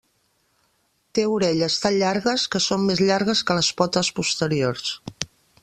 Té orelles tan llargues que són més llargues que les potes posteriors.